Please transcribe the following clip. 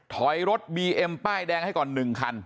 ถอยรถบีเอ็มป้ายแดงให้ก่อน๑คัน